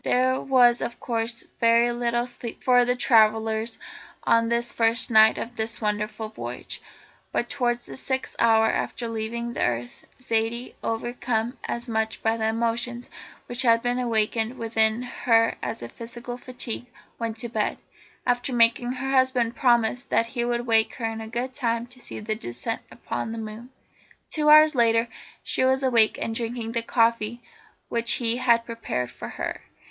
There was of course very little sleep for the travellers on this first night of their wonderful voyage, but towards the sixth hour after leaving the earth, Zaidie, overcome as much by the emotions which had been awakened within her as by physical fatigue, went to bed, after making her husband promise that he would wake her in good time to see the descent upon the moon. Two hours later she was awake and drinking the coffee which he had prepared for her.